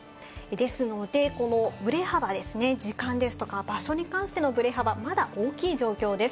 ですので、このぶれ幅ですね、時間ですとか、場所に関してのぶれ幅、まだ大きい状況です。